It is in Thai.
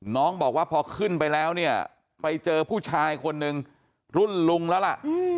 น้องบอกว่าพอขึ้นไปแล้วเนี่ยไปเจอผู้ชายคนนึงรุ่นลุงแล้วล่ะ